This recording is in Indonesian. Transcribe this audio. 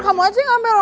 kamu aja yang ambil